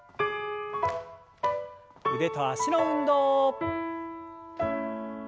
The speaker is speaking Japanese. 腕と脚の運動。